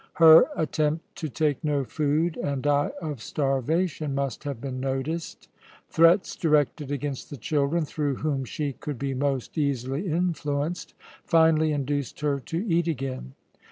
Her attempt to take no food and die of starvation must have been noticed. Threats directed against the children, through whom she could be most easily influenced, finally induced her to eat again.